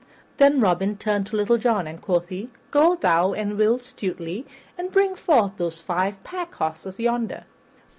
Then Robin turned to Little John, and quoth he, "Go thou and Will Stutely and bring forth those five pack horses yonder."